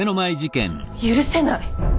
許せない。